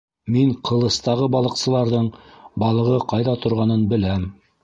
Мин Ҡылыстағы балыҡсыларҙың балығы ҡайҙа торғанын беләм.